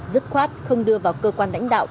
để không đưa vào cơ quan lãnh đạo